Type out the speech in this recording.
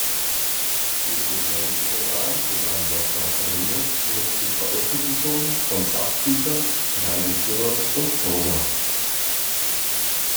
In den Neunzigerjahren begann Joscha Remus mit dem Veröffentlichen von Sachbüchern, Reiseführern und Prosa.